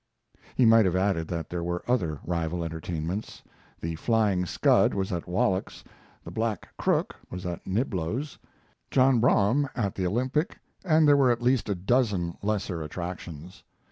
He might have added that there were other rival entertainments: "The Flying Scud" was at Wallack's, the "Black Crook" was at Niblo's, John Brougham at the Olympic; and there were at least a dozen lesser attractions.